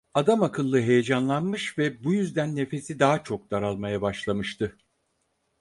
Adamakıllı heyecanlanmış ve bu yüzden nefesi daha çok daralmaya başlamıştı.